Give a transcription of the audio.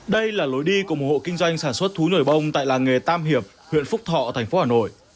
đây là lối đi của một hộ kinh doanh sản xuất thú nổi bông tại làng nghề tam hiệp huyện phúc thọ thành phố hà nội